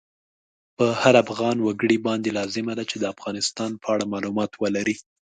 په هر افغان وګړی باندی لازمه ده چی د افغانستان په اړه مالومات ولری